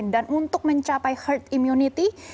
dan untuk mencapai herd immunity